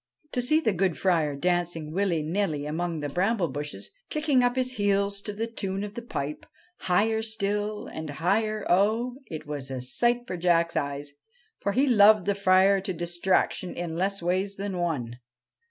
To see the good Friar dancing willy nilly among the bramble bushes, kicking up his heels to the tune of the pipe, higher still and higher oh, it was a sight for Jack's eyes, for he loved the Friar to distraction in less ways than one.